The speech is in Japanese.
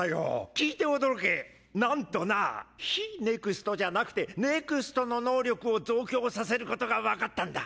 聞いて驚け何とな非ＮＥＸＴじゃなくてＮＥＸＴの能力を増強させることが分かったんだ！